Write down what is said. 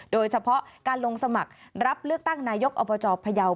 โดยเฉพาะการลงสมัครรับเลือกตั้งนายกอบจพยาว